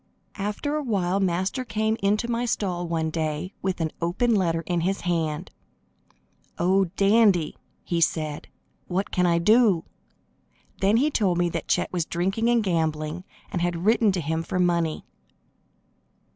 After a while Master came into my stall one day, with an open letter in his hand. "Oh, Dandy!" he said, "what can I do?" Then he told me that Chet was drinking and gambling, and had written to him for money.